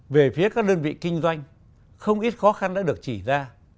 về phía các đơn vị kinh doanh không ít khó khăn đã được chỉ ra